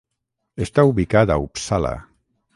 Està ubicat a Uppsala.